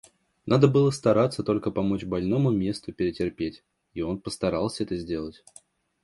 Надо было стараться только помочь больному месту перетерпеть, и он постарался это сделать.